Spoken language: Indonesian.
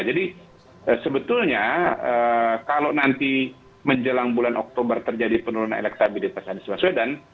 jadi sebetulnya kalau nanti menjelang bulan oktober terjadi penurunan elektabilitas anies baswedan